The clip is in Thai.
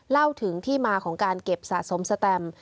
เล่าถึงที่มาของการเก็บสะสมสแตม